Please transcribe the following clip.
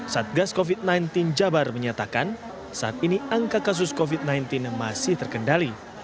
satgas covid sembilan belas jabar menyatakan saat ini angka kasus covid sembilan belas masih terkendali